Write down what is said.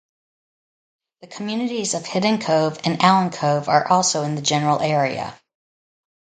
The communities of Hidden Cove and Allen Cove are also in the general area.